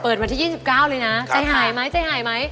เปิดมาที่๒๙บาทเลยนะใจหายไหมใจหายไหม